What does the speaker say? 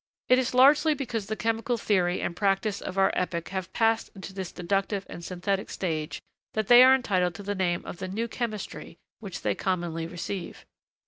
It is largely because the chemical theory and practice of our epoch have passed into this deductive and synthetic stage, that they are entitled to the name of the 'New Chemistry' which they commonly receive.